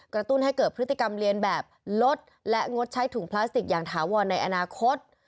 ตุ้นให้เกิดพฤติกรรมเรียนแบบลดและงดใช้ถุงพลาสติกอย่างถาวรในอนาคต